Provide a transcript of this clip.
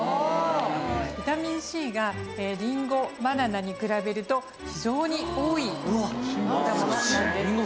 ビタミンＣがりんごバナナに比べると非常に多い果物なんです。